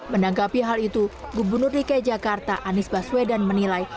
menanggapi hal itu gubernur dki jakarta anies baswedan menilai